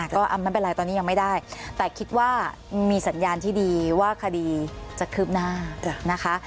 ก็ไม่เป็นไรตอนนี้ยังไม่ได้แต่คิดว่ามีสัญญาณที่ดีว่าคดีจะคืบหน้านะคะ